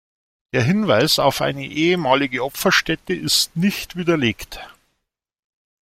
Der Hinweis auf eine ehemalige Opferstätte ist nicht widerlegt.